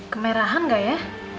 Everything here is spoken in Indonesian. kemerahan gak ya